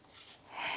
ええ。